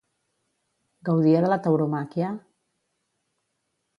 Gaudia de la tauromàquia?